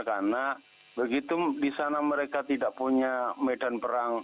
karena begitu di sana mereka tidak punya medan perang